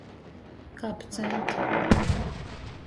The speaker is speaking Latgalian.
Kapceit.